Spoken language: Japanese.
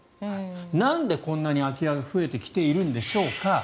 なんでこんなに空き家が増えてきているんでしょうか。